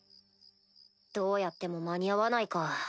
どうやっても間に合わないか。